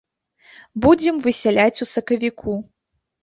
Будзем высяляць у сакавіку.